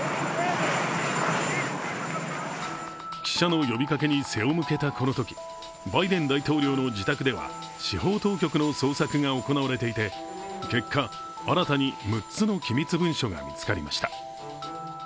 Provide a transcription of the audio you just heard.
記者の呼びかけに背を向けたこのときバイデン大統領の自宅では司法当局の捜索が行われていて結果、新たに６つの機密文書が見つかりました。